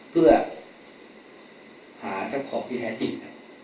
เพื่อหาเจ้าของที่แท้จริง